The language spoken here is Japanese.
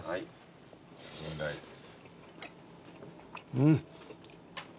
うん。